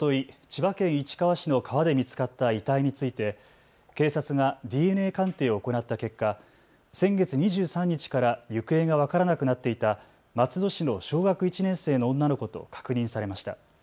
千葉県市川市の川で見つかった遺体について警察がＤＮＡ鑑定を行った結果、先月２３日から行方が分からなくなっていた松戸市の小学１年生の女の子と確認されました。